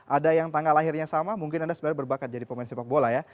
ada yang tanggal lahirnya sama mungkin anda sebenarnya berbakat jadi pemain sepak bola ya